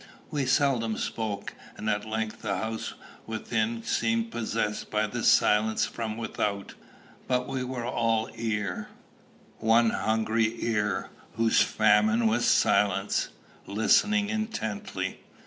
We seldom spoke, and at length the house within seemed possessed by the silence from without; but we were all ear, one hungry ear, whose famine was silence, listening intently.